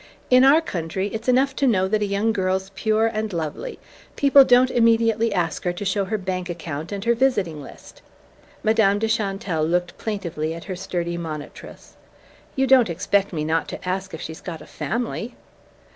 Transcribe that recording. In our country it's enough to know that a young girl's pure and lovely: people don't immediately ask her to show her bank account and her visiting list." Madame de Chantelle looked plaintively at her sturdy monitress. "You don't expect me not to ask if she's got a family?"